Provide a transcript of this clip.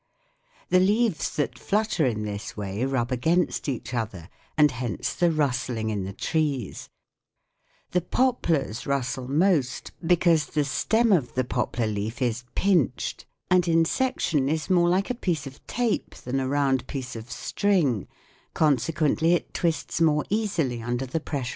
The leaves that flutter in this way rub against each other, and hence the rustling in the trees. The poplars rustle most, because the stem of the poplar leaf is pinched, and in section is more like a piece of tape than a round piece of string : pine Thi cker here i J 3 plar JLeaf '' r, '' FIG. 66.